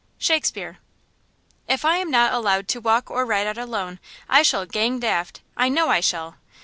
–SHAKESPEARE. "IF I am not allowed to walk or ride out alone, I shall 'gang daft!' I know I shall!